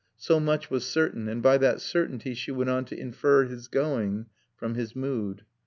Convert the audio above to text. So much was certain, and by that certainty she went on to infer his going from his mood.